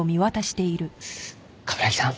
冠城さん